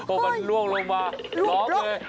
พอมันล่วงลงมาพร้อมเลย